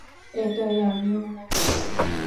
এটাই আমি মনে করি।